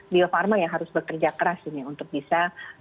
bio farma ya harus bekerja keras ini untuk bisa